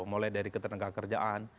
mulai dari ketenaga kerjaan